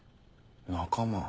仲間？